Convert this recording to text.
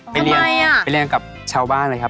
ไปเรียนกับชาวบ้านเลยครับ